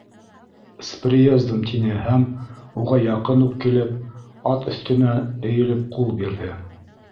С приездом! — тине һәм уға яҡын уҡ килеп, ат өҫтөнә эйелеп ҡул бирҙе.